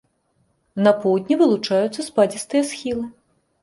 На поўдні вылучаюцца спадзістыя схілы.